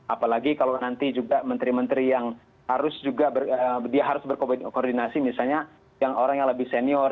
apalagi kalau nanti juga menteri menteri yang harus juga dia harus berkoordinasi misalnya yang orang yang lebih senior